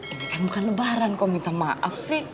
ini kan bukan lebaran kau minta maaf sih